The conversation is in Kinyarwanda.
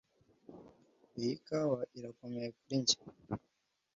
Iyi kawa irakomeye kuri njye.